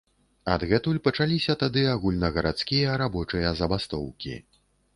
Адгэтуль пачаліся тады агульнагарадскія рабочыя забастоўкі.